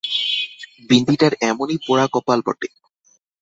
বিন্দিটার এমনি পোড়া কপাল বটে!